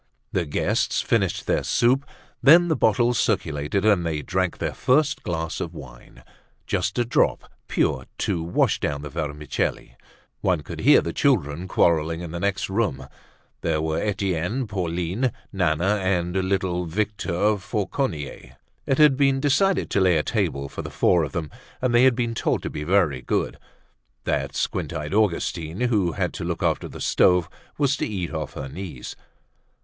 The guests finished their soup. Then the bottles circulated and they drank their first glass of wine, just a drop pure, to wash down the vermicelli. One could hear the children quarrelling in the next room. There were Etienne, Pauline, Nana and little Victor Fauconnier. It had been decided to lay a table for the four of them, and they had been told to be very good. That squint eyed Augustine who had to look after the stoves was to eat off her knees.